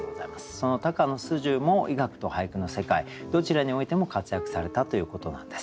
その高野素十も医学と俳句の世界どちらにおいても活躍されたということなんです。